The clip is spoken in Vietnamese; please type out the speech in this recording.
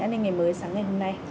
an ninh ngày mới sáng ngày hôm nay